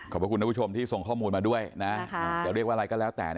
พระคุณท่านผู้ชมที่ส่งข้อมูลมาด้วยนะจะเรียกว่าอะไรก็แล้วแต่